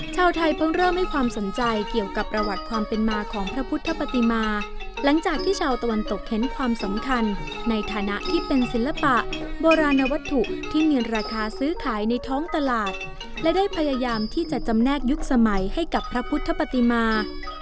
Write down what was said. ชาวไทยเพิ่งเริ่มให้ความสนใจเกี่ยวกับประวัติความเป็นมาของพระพุทธปฏิมาหลังจากที่ชาวตะวันตกเห็นความสำคัญในฐานะที่เป็นศิลปะโบราณวัตถุที่มีราคาซื้อขายในท้องตลาดและได้พยายามที่จะจำแนกยุคสมัยให้กับพระพุทธปฏิมา